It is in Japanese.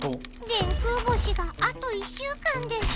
電空星があと１週間で。